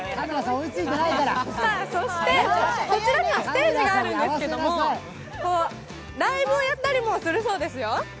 そしてこちらにはステージがあるんですけれどもライブをやったりもするそうですよ。